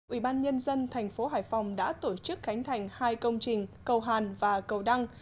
ủy ban nhân dân thành phố hải phòng đã tổ chức khánh thành hai công trình cầu hàn và cầu đăng